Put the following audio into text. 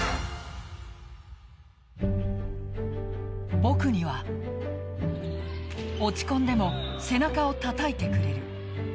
僕には落ち込んでも背中をたたいてくれる。